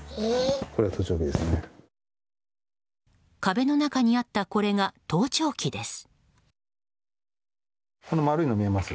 壁の中にあったこれが盗聴器です。